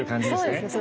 そうですね。